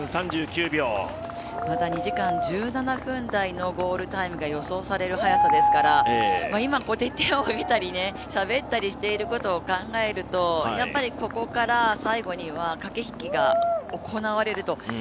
まだ２時間１７分台のゴールタイムが予想される速さですから今、手を上げたりしゃべったりしていることを考えるとやっぱりここから最後には駆け引きが行われると。